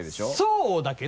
そうだけど。